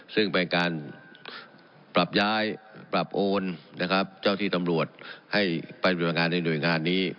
ซึ่งเป็นการปรับย้ายปรับโอนนะครับเจ้าที่ตำรวจให้ไปปฏิบัติงานในหน่วยงานนี้